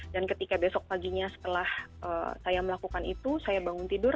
dan ketika besok paginya setelah saya melakukan itu saya bangun tidur